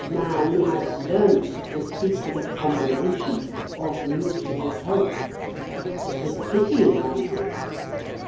Man has learnt the secret of combination, of mutual help. The City rises.